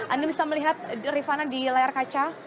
anda bisa melihat rifana di layar kaca